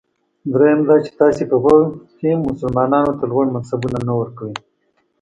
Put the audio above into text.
دریم دا چې تاسي په پوځ کې مسلمانانو ته لوړ منصبونه نه ورکوی.